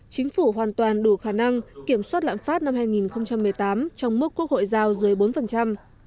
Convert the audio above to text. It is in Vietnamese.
chính phủ hoàn toàn đủ khả năng kiểm soát lạm phát năm hai nghìn một mươi tám trong mức quốc hội giao dưới bốn